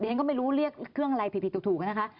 ฉันก็ไม่รู้เรียกเครื่องอะไรผิดถูกนะคะ